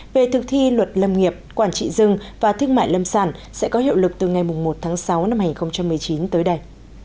về thực thi luật lâm nghiệp quản trị rừng và thương mại lâm sản sẽ có hiệu lực từ ngày một tháng sáu năm hai nghìn một mươi chín tới đây